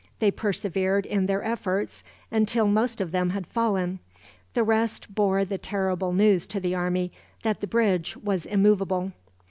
They persevered in their efforts until most of them had fallen. The rest bore the terrible news to the army that the bridge was immovable.